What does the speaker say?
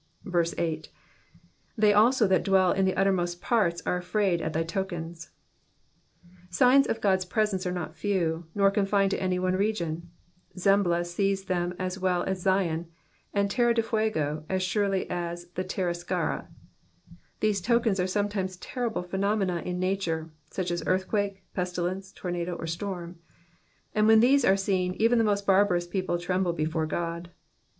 8. ^^They also that dwell in the uttermost parts are afraid of thy tolcensy Signs of God's presence are not few, nor confined to any one region. Zerobla sees them as well as Zion, and Terra del Fuego as surely as the Terra Sacra. These tokens are sometimes terrible phenomena in nature — such as earth quakes, pestilence, tornado, or storm ; and when these are seen, even the most barbarous people tremble before God.